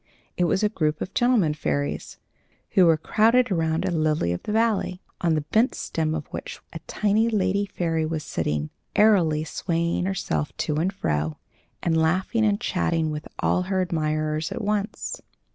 It was a group of gentlemen fairies, who were crowding around a lily of the valley, on the bent stem of which a tiny lady fairy was sitting, airily swaying herself to and fro, and laughing and chatting with all her admirers at once.